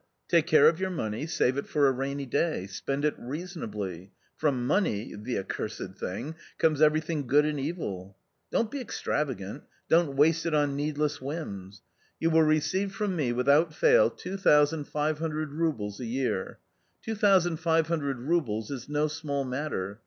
Take care of your money — save it for a rainy day. S pend it reasonably. From money — the acqursed thing — comes_every thi ng go o(f a"nft""gvrt'.~" DonX be ^Ttraragaht : "don 't w aste Tt on_ needless. whims t "*You will receive from me, without fail, two thousand five hundred roubles a year. Two thousand five hundred roubles is no small matter.